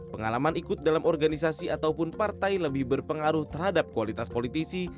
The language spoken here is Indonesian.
pengalaman ikut dalam organisasi ataupun partai lebih berpengaruh terhadap kualitas politisi